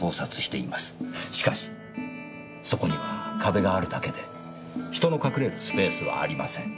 しかしそこには壁があるだけで人の隠れるスペースはありません。